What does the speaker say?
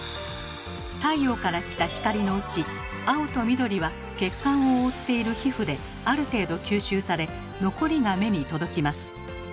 太陽から来た光のうち青と緑は血管を覆っている皮膚である程度吸収され残りが目に届きます。